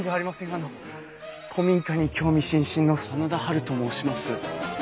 あの古民家に興味津々の真田ハルと申します。